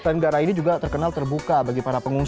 bandara ini juga terkenal terbuka bagi para pengungsi